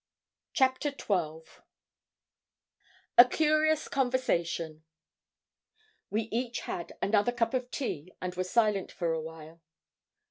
CHAPTER XII A CURIOUS CONVERSATION We each had another cup of tea, and were silent for awhile.